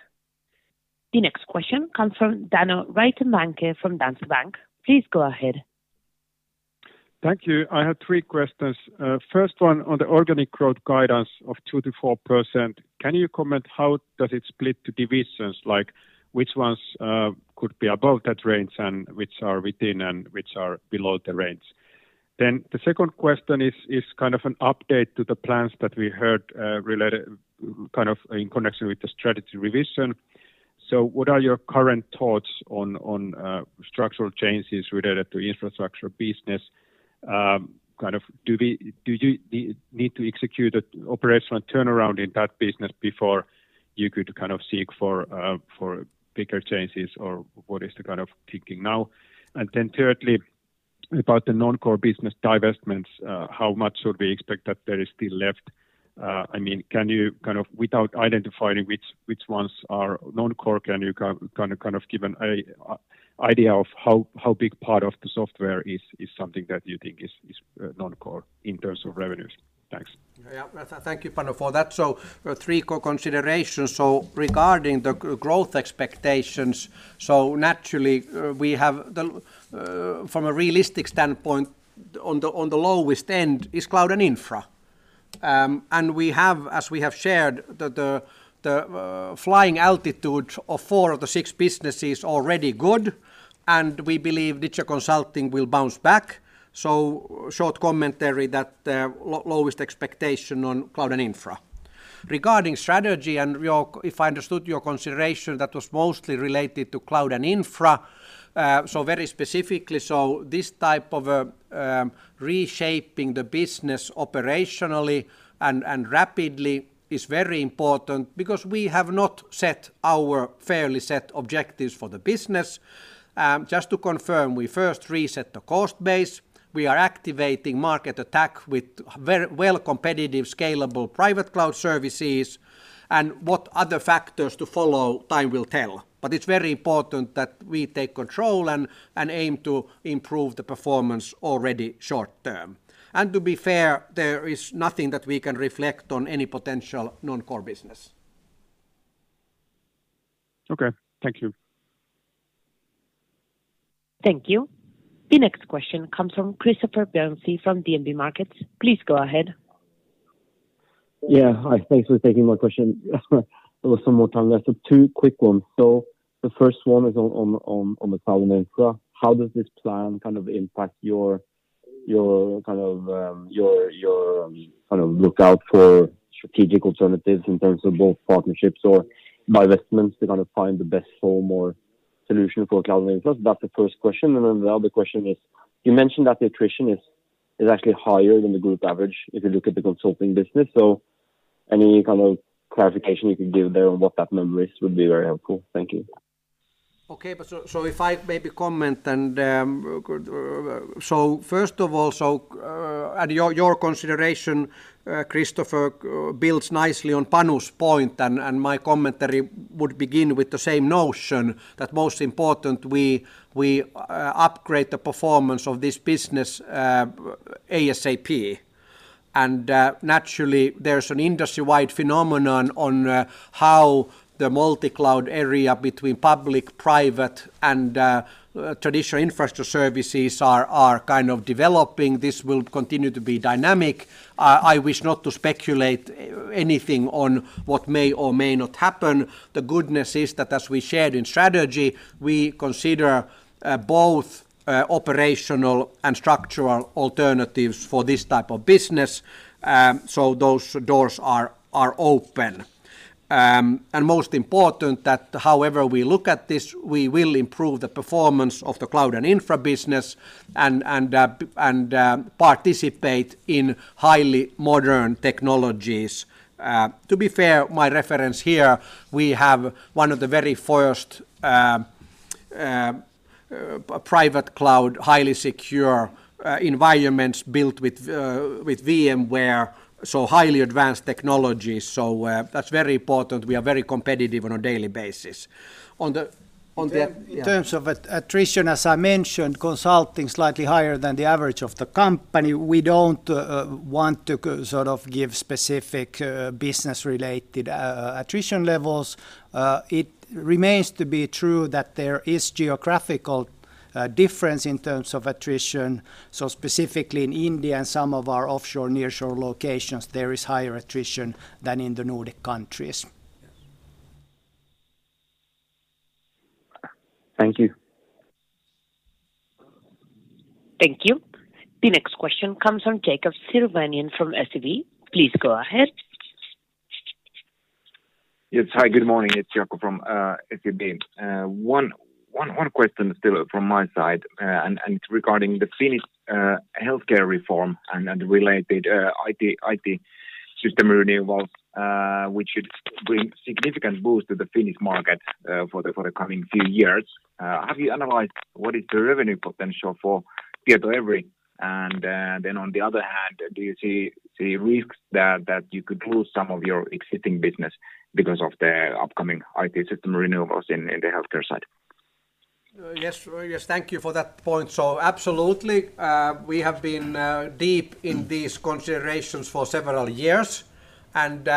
The next question comes from Panu Laitinmäki from Danske Bank. Please go ahead. Thank you. I have three questions. First one on the organic growth guidance of 2%-4%, can you comment how does it split to divisions? Like, which ones could be above that range, and which are within, and which are below the range? The second question is kind of an update to the plans that we heard related kind of in connection with the strategy revision. What are your current thoughts on structural changes related to infrastructure business? Kind of do you need to execute an operational turnaround in that business before you could kind of seek for bigger changes or what is the kind of thinking now? Then thirdly, about the non-core business divestments, how much should we expect that there is still left? I mean, can you kind of, without identifying which ones are non-core, give an idea of how big part of the software is non-core in terms of revenues? Thanks. Thank you, Panu, for that. Three considerations. Regarding the growth expectations, naturally, from a realistic standpoint, on the lowest end is Cloud & Infra. We have, as we have shared, the flying altitude of four of the six businesses already good, and we believe Digital Consulting will bounce back. Short commentary that lowest expectation on Cloud & Infra. Regarding strategy, if I understood your consideration, that was mostly related to Cloud & Infra. Very specifically, this type of reshaping the business operationally and rapidly is very important because we have not set our fairly set objectives for the business. Just to confirm, we first reset the cost base. We are activating market attack with very well competitive scalable private cloud services. What other factors to follow, time will tell. It's very important that we take control and aim to improve the performance already short-term. To be fair, there is nothing that we can reflect on any potential non-core business. Okay. Thank you. Thank you. The next question comes from Christoffer Bjørnsen from DNB Markets. Please go ahead. Yeah. Hi. Thanks for taking my question. There was some more time left, two quick ones. The first one is on the Cloud & Infra. How does this plan kind of impact your kind of lookout for strategic alternatives in terms of both partnerships or investments to kind of find the best home or solution for Cloud & Infra? That's the first question. Then the other question is, you mentioned that the attrition is actually higher than the group average if you look at the consulting business. Any kind of clarification you could give there on what that number is would be very helpful. Thank you. First of all, your consideration, Christoffer, builds nicely on Panu's point, and my commentary would begin with the same notion, that most important we upgrade the performance of this business ASAP. Naturally, there's an industry-wide phenomenon on how the multi-cloud era between public, private, and traditional infrastructure services are kind of developing. This will continue to be dynamic. I wish not to speculate anything on what may or may not happen. The goodness is that as we shared in strategy, we consider both operational and structural alternatives for this type of business. Those doors are open. Most important that however we look at this, we will improve the performance of the Cloud and Infra business and participate in highly modern technologies. To be fair, my reference here, we have one of the very first private cloud, highly secure, environments built with VMware, so highly advanced technology. That's very important. We are very competitive on a daily basis. On the In terms of attrition, as I mentioned, consulting slightly higher than the average of the company. We don't want to sort of give specific business-related attrition levels. It remains to be true that there is geographical difference in terms of attrition, so specifically in India and some of our offshore, nearshore locations, there is higher attrition than in the Nordic countries. Yes. Thank you. Thank you. The next question comes from Jaakko Tyrväinen from SEB. Please go ahead. Yes. Hi, good morning. It's Jaakko from SEB. One question still from my side, regarding the Finnish healthcare reform and related IT system renewal, which should bring significant boost to the Finnish market for the coming few years. Have you analyzed what is the revenue potential for Tietoevry? On the other hand, do you see risks that you could lose some of your existing business because of the upcoming IT system renewals in the healthcare side? Yes. Yes, thank you for that point. Absolutely, we have been deep in these considerations for several years, and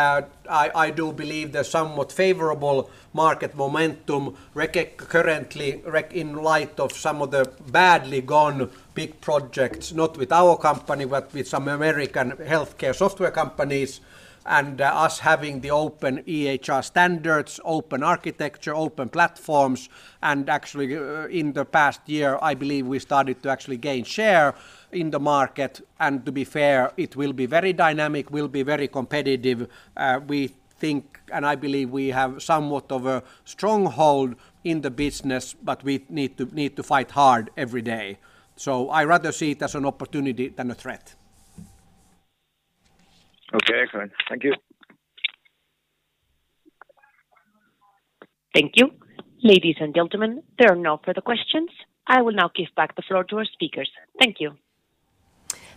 I do believe there's somewhat favorable market momentum recently in light of some of the badly gone big projects, not with our company, but with some American healthcare software companies, and us having the open EHR standards, open architecture, open platforms. Actually, in the past year, I believe we started to actually gain share in the market. To be fair, it will be very dynamic, will be very competitive. We think, and I believe we have somewhat of a stronghold in the business, but we need to fight hard every day. I rather see it as an opportunity than a threat. Okay. Great. Thank you. Thank you. Ladies and gentlemen, there are no further questions. I will now give back the floor to our speakers. Thank you.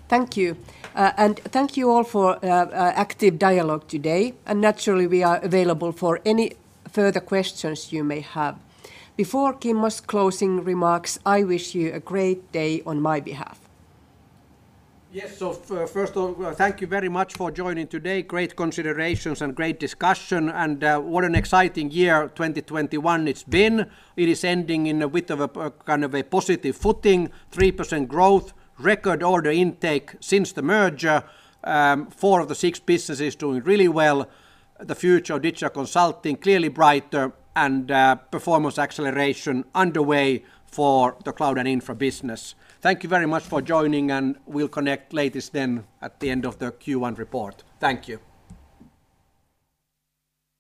Thank you. Thank you all for active dialogue today. Naturally, we are available for any further questions you may have. Before Kimmo's closing remarks, I wish you a great day on my behalf. Yes. First of all, thank you very much for joining today. Great considerations and great discussion, and what an exciting year 2021 it's been. It is ending in a bit of a kind of a positive footing, 3% growth, record order intake since the merger. Four of the six businesses doing really well. The future of Digital Consulting clearly brighter, and performance acceleration underway for the Cloud & Infra business. Thank you very much for joining, and we'll connect at the latest then at the end of the Q1 report. Thank you.